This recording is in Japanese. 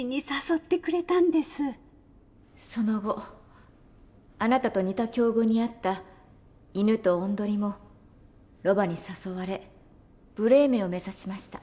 その後あなたと似た境遇にあったイヌとオンドリもロバに誘われブレーメンを目指しました。